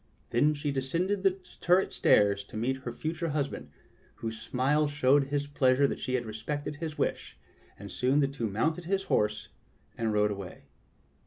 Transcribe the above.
Then she descended the turret stairs to meet GERAINT WITH THE SPARROW HAWK 63 her future husband, whose smile showed his pleasure that she had respected his wish, and soon the two mounted horse and rode away.